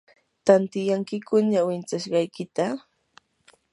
¿tantyankiyku ñawinchashqaykita?